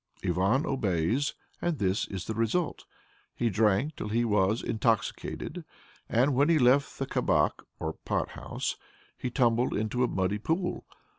Ivan obeys, and this is the result. He drank till he was intoxicated, and when he left the kabak (or pot house) he tumbled into a muddy pool.